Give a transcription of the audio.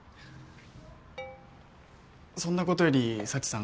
そんなことより幸さん